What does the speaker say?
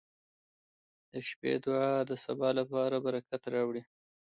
• د شپې دعا د سبا لپاره برکت راوړي.